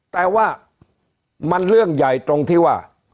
แต่ว่ามันเรื่องใหญ่ตรงที่ว่า